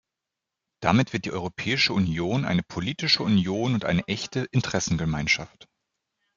Damit wird die Europäische Union eine politische Union und eine echte Interessengemeinschaft.